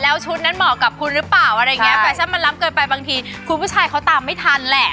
แล้วชุดนั้นเหมาะกับคุณหรือเปล่าอะไรอย่างเงี้แฟชั่นมันล้ำเกินไปบางทีคุณผู้ชายเขาตามไม่ทันแหละ